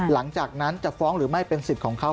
หลังจากนั้นจะฟ้องหรือไม่เป็นสิทธิ์ของเขา